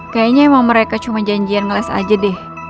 kayaknya emang mereka cuma janjian ngeles aja deh